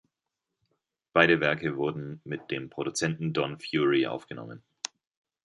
Beide Werke wurden mit dem Produzenten Don Fury aufgenommen.